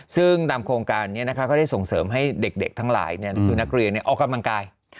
ซึ่งตามโครงการนี้ก็ได้ส่งเสริมให้เด็กทั้งหลายคือนักเรียนออกกำลังกาย